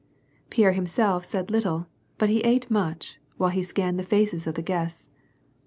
Pierre himself said little but he ate much, while he scanned the faces of the guests.